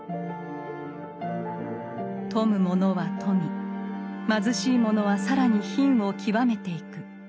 富む者は富み貧しい者は更に貧を極めていく。